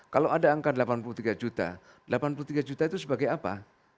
kalau ada angka delapan puluh tiga juta delapan puluh tiga juta itu sebagai apa